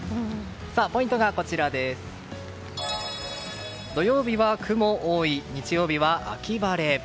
ポイントが土曜日は雲多い日曜日は秋晴れ。